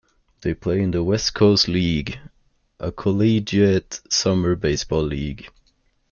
They play in the West Coast League, a collegiate summer baseball league.